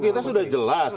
itu sudah jelas